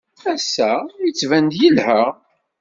Ass-a, yettban-d yelha.